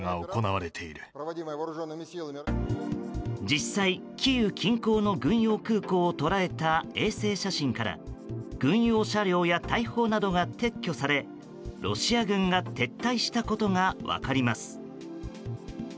実際、キーウ近郊の軍用空港を捉えた衛星写真から軍用車両や大砲などが撤去されロシア軍が撤退したことが分かります。